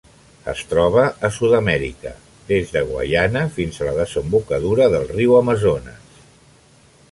Es troba a Sud-amèrica: des de Guaiana fins a la desembocadura del riu Amazones.